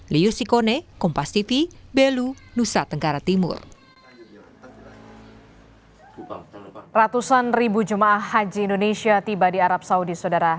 ratusan ribu jemaah haji indonesia tiba di arab saudi saudara